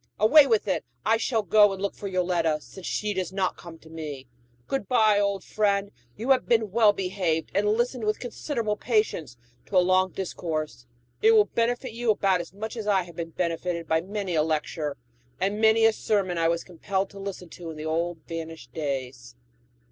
Away with it! I shall go and look for Yoletta, since she does not come to me. Good by, old friend, you have been well behaved and listened with considerable patience to a long discourse. It will benefit you about as much as I have been benefited by many a lecture and many a sermon I was compelled to listen to in the old vanished days."